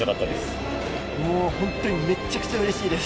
もう本当にめっちゃくちゃうれしいです。